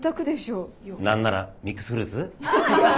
何ならミックスフルーツ？